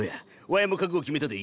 わいも覚悟決めたで。